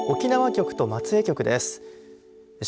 沖縄局と松江局です。